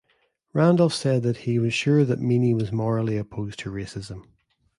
Randolph said that he was sure that Meany was morally opposed to racism.